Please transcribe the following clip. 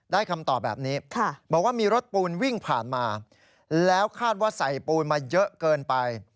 คำตอบแบบนี้บอกว่ามีรถปูนวิ่งผ่านมาแล้วคาดว่าใส่ปูนมาเยอะเกินไป